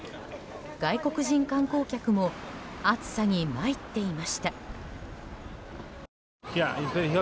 外国人観光客も暑さにまいっていました。